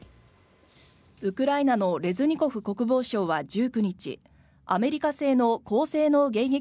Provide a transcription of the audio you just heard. ウクライナのレズニコフ国防相は１９日アメリカ製の高性能迎撃